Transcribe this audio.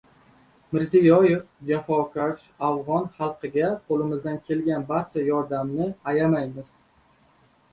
Mirziyoyev: "Jafokash afg‘on xalqiga qo‘limizdan kelgan barcha yordamni ayamaymiz"